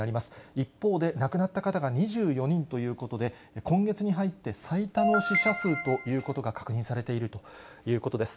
一方で亡くなった方が２４人ということで、今月に入って最多の死者数ということが確認されているということです。